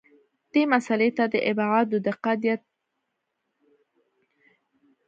دې مسئلې ته د ابعادو دقت یا تولرانس هم وایي.